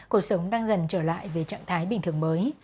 cuộc sống đang dần trở lại về trạng thái bình thường mới